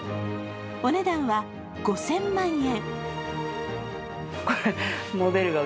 お値段は５０００万円。